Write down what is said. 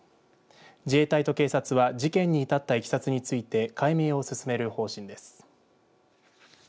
自衛隊と警察は事件に至ったいきさつについて解明を進める方針です。